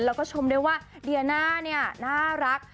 เราจะชมเลยว่าเดียน่าน่ารัก